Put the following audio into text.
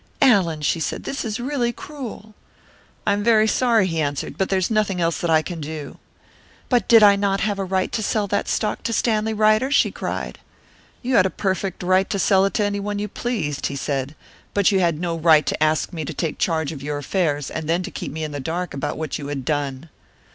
"Allan," she said, "this is really cruel." "I am very sorry," he answered, "but there is nothing else that I can do." "But did I not have a right to sell that stock to Stanley Ryder?" she cried. "You had a perfect right to sell it to anyone you pleased," he said. "But you had no right to ask me to take charge of your affairs, and then to keep me in the dark about what you had done."